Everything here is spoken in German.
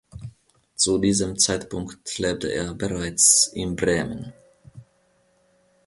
Zu diesem Zeitpunkt lebte er bereits in Bremen.